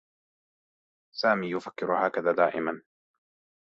سامي يفكّر هكذا دائما.